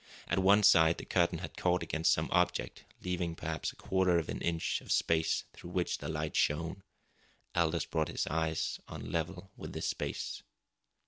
At one side the curtain had caught against some object, leaving perhaps a quarter of an inch of space through which the light shone. Aldous brought his eyes on a level with this space.